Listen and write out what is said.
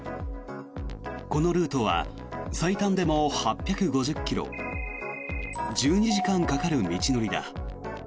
このルートは最短でも８５０ｋｍ１２時間かかる道のりだ。